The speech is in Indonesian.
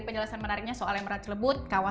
penjelasan menariknya soal emerald celebut